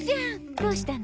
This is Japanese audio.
どうしたの？